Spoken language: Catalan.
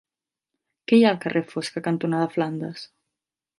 Què hi ha al carrer Fosca cantonada Flandes?